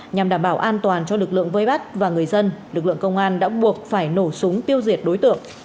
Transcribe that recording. nhằm đảm bảo an toàn cho lực lượng vây bắt và người dân lực lượng công an đã buộc phải nổ súng tiêu diệt đối tượng